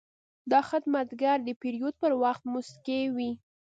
دا خدمتګر د پیرود پر وخت موسکی وي.